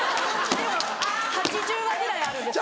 ８０話ぐらいあるんですよ。